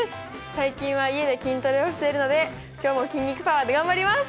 最近は家で筋トレをしているので今日も筋肉パワーで頑張ります！